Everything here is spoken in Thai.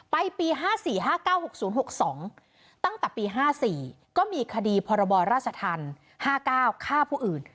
ไปปี๕๔๕๙๖๐๖๒ตั้งแต่ปี๕๔ก็มีคดีพรศ๕๙ฆ่าผู้อื่น